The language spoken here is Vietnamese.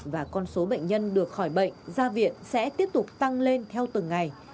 và con số bệnh nhân được khỏi bệnh ra viện sẽ tiếp tục tăng lên theo từng ngày